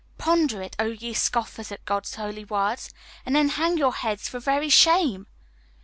Ponder it, O ye scoffers at God's Holy Word, and then hang your heads for very shame!